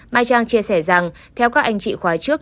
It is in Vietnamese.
mai trang chia sẻ rằng theo các anh chị khóa trước